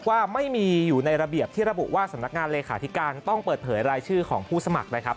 ว่าไม่มีอยู่ในระเบียบที่ระบุว่าสำนักงานเลขาธิการต้องเปิดเผยรายชื่อของผู้สมัครนะครับ